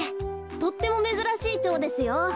とってもめずらしいチョウですよ。